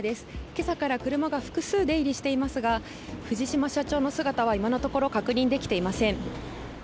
今朝から車が複数出入りしていますが藤島社長の姿は今のところ確認できていません